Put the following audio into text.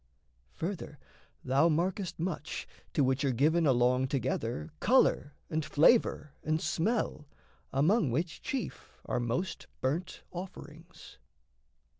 Further, thou markest much, to which are given Along together colour and flavour and smell, Among which, chief, are most burnt offerings.